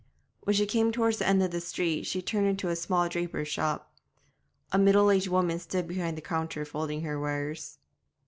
When she came toward the end of the street she turned into a small draper's shop. A middle aged woman stood behind the counter folding her wares.